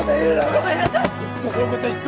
ごめんなさい